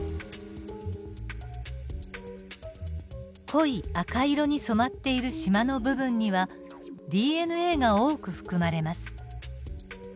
濃い赤色に染まっているしまの部分にはＤＮＡが多く含まれます。